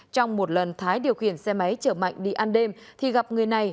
trong một lần thái điều khiển xe máy chở mạnh đi ăn đêm thì gặp người này